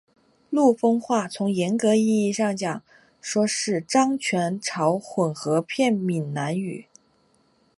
陆丰话从严格意义上来说是漳泉潮混合片闽南语。